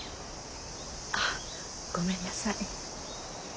あっごめんなさい。